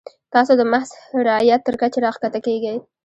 تاسو د محض رعیت تر کچې راښکته کیږئ.